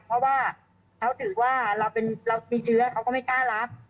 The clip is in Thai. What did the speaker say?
เพราะว่าเขาถือว่าเรามีเชื้อเขาก็ไม่กล้ารับ